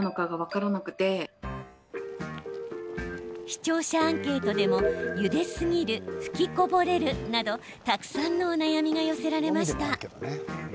視聴者アンケートでもゆですぎる、吹きこぼれるなどたくさんのお悩みが寄せられました。